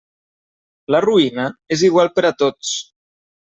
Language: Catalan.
La ruïna és igual per a tots.